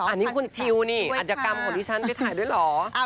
อันนี้คุณชิวนี่อัธยกรรมของดิฉันไปถ่ายด้วยเหรอ